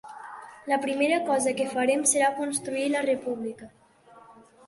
La primera cosa que farem serà construir la república.